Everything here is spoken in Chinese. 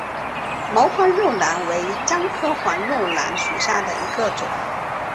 毛黄肉楠为樟科黄肉楠属下的一个种。